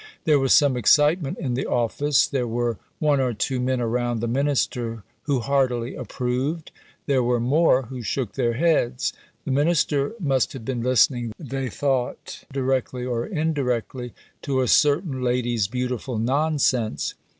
There was some excitement in the Office. There were one or two men around the Minister who heartily approved; there were more who shook their heads. The Minister must have been listening, they thought, directly or indirectly, to a certain lady's "beautiful nonsense."